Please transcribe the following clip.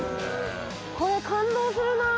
これ感動するなあ。